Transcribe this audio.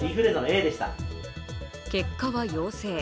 結果は陽性。